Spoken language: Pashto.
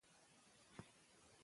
مدیر اوسئ.